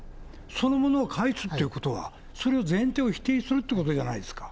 そのものを返すということは、それを前提を否定することじゃないですか。